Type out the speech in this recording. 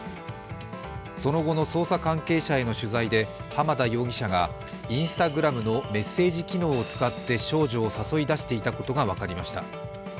その後の捜査関係者への取材で、濱田容疑者がＩｎｓｔａｇｒａｍのメッセージ機能を使って少女を誘い出していたことが分かりました。